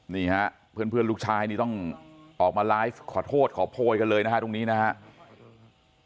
นี่ฮะเพื่อนลูกชายนี่ต้องออกมาไลฟ์ขอโทษขอโพยกันเลยนะฮะตรงนี้นะครับ